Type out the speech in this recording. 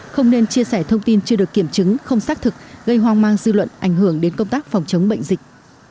không nên chia sẻ thông tin chưa được kiểm chứng không xác thực gây hoang mang dư luận ảnh hưởng đến công tác phòng chống bệnh dịch